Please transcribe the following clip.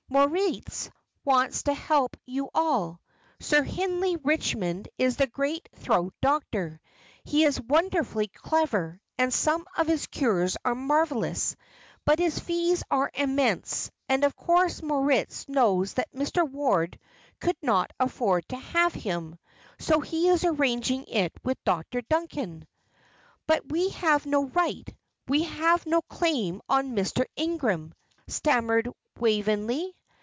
Moritz wants to help you all. Sir Hindley Richmond is the great throat doctor. He is wonderfully clever, and some of his cures are marvellous; but his fees are immense, and of course Moritz knows that Mr. Ward could not afford to have him, so he is arranging it with Dr. Duncan." "But we have no right we have no claim on Mr. Ingram," stammered Waveney.